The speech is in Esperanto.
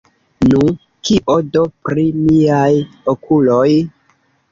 Nu, kio do, pri miaj okuloj?